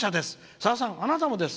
さださん、あなたもです」。